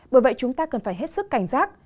bởi vậy chúng ta cần phải hết sức cảnh giác